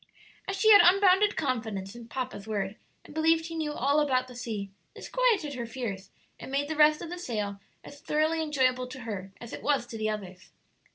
As she had unbounded confidence in "papa's" word, and believed he knew all about the sea, this quieted her fears and made the rest of the sail as thoroughly enjoyable to her as it was to the others.